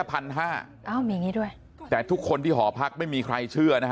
เอ้ามีงี้ด้วยแต่ทุกคนที่หอพักไม่มีใครเชื่อนะฮะ